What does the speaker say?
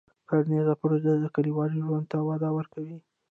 کرنيزې پروژې د کلیوالو ژوند ته وده ورکوي.